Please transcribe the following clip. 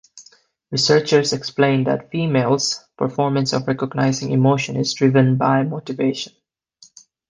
Researchers explain that females’ performance of recognizing emotion is driven by motivation.